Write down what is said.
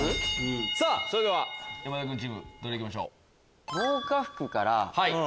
それでは山田君チームどれ行きましょう？